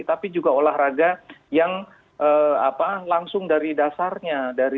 tapi juga olahraga yang langsung dari dasarnya